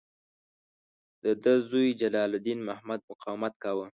د ده زوی جلال الدین محمد مقاومت کاوه.